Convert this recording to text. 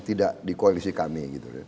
tidak di koalisi kami